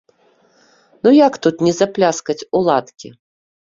Ну як тут ні запляскаць у ладкі!